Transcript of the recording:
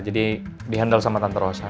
jadi di handle sama tante rosa